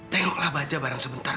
tengoklah bahan bahan sebentar